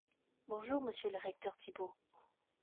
Bonjour, monsieur le recteur Thibaut!